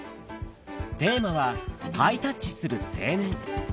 テーマは、ハイタッチする青年。